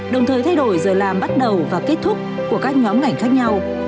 đồng thời thay đổi giờ làm bắt đầu và kết thúc của các nhóm ngành khác nhau